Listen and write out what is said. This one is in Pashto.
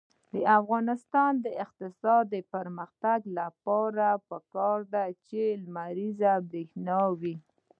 د افغانستان د اقتصادي پرمختګ لپاره پکار ده چې لمریزه برښنا وي.